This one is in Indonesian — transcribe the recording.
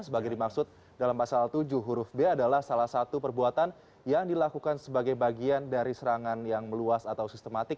sebagai dimaksud dalam pasal tujuh huruf b adalah salah satu perbuatan yang dilakukan sebagai bagian dari serangan yang meluas atau sistematik